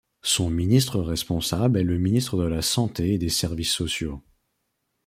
Son ministre responsable est le ministre de la Santé et des Services sociaux.